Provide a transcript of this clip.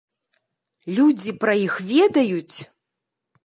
Людзі пра іх ведаюць?